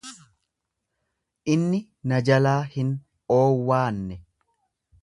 Inni na jalaa hin oowwaanne.